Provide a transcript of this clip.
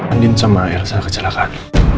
angin sama air saya kecelakaan